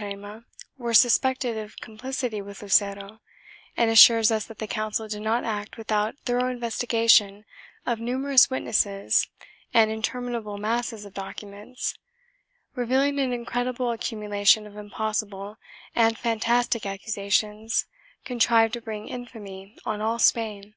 IV] LUCERO' S VICTIMS RELEASED 207 once that numbers of the Suprerna were suspected of complicity with Lucero and assures us that the Council did not act without thorough investigation of numerous witnesses and interminable masses of documents, revealing an incredible accumulation of impossible and fantastic accusations contrived to bring infamy on all Spain.